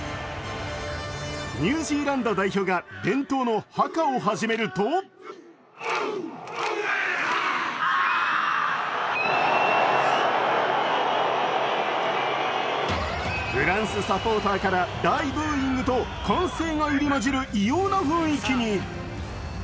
ニュージーランド代表が伝統のハカを始めるとフランスサポーターから大ブーイングと歓声が入り交じる異様な雰囲気に。